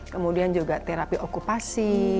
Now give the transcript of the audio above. kemudian juga terapi okupasi